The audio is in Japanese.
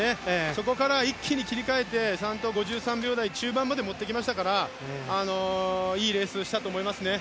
そこから一気に切り替えてちゃんと５３秒台前半まで来ましたからいいレースをしたと思いますね。